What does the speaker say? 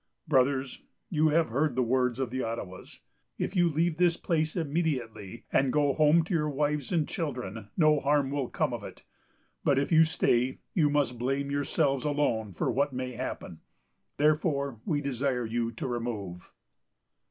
' "Brothers, you have heard the words of the Ottawas. If you leave this place immediately, and go home to your wives and children, no harm will come of it; but if you stay, you must blame yourselves alone for what may happen. Therefore we desire you to remove."